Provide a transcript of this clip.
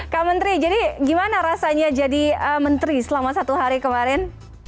kak menteri jadi gimana rasanya jadi menteri selama satu hari kemarin